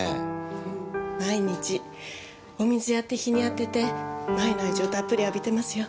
毎日お水やって日に当てて麻衣の愛情たっぷり浴びてますよ。